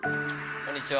こんにちは。